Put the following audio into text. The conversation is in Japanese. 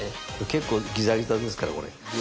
結構ギザギザですからこれ。